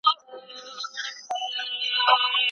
ایا ډاکټر به زموږ پاڼه وړاندي کړي؟